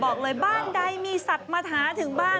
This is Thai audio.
บอกเลยบ้านใดมีสัตว์มาท้าถึงบ้าน